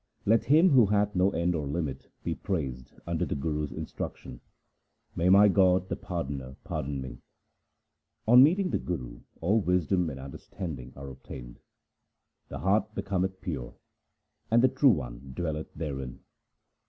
Let Him who hath no end or limit, be praised under the Guru's instruction. May my God, the Pardoner, pardon me ! On meeting the Guru all wisdom and understanding are obtained. The heart becometh pure, and the True One dwelleth therein.